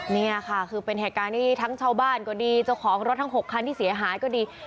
นี่ค่ะคือเป็นเหตุการณ์ที่ทั้งชาวบ้านก็ดีเจ้าของรถทั้ง๖คันที่เสียหายก็ดี